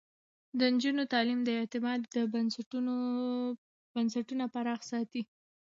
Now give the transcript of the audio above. د نجونو تعليم د اعتماد بنسټونه پراخ ساتي.